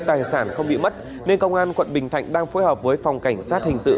tài sản không bị mất nên công an quận bình thạnh đang phối hợp với phòng cảnh sát hình sự